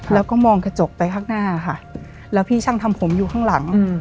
แล้วก็มองกระจกไปข้างหน้าค่ะแล้วพี่ช่างทำผมอยู่ข้างหลัง